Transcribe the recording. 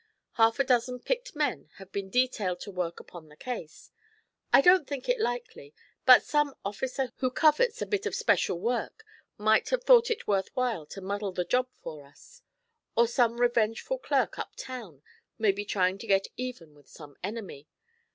Half a dozen picked men have been detailed to work upon the case. I don't think it likely, but some officer who covets a bit of special work might have thought it worth while to muddle the job for us; or some revengeful clerk up town may be trying to get even with some enemy.